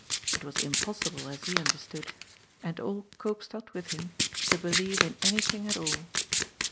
It was impossible, as he understood, and all Eoopstad with him, to believe in anything at all.